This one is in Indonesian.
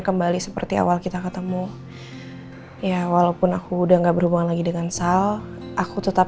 kembali seperti awal kita ketemu ya walaupun aku udah enggak berhubungan lagi dengan sal aku tetap